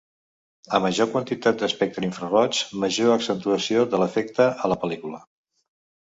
A major quantitat d'espectre infraroig, major accentuació de l'efecte a la pel·lícula.